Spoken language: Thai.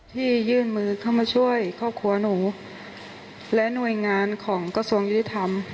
ยื่นมือเข้ามาช่วยครอบครัวหนูและหน่วยงานของกระทรวงยุติธรรม